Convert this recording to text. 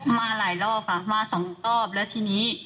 มาหลายรอบค่ะมาสองรอบแล้วทีนี้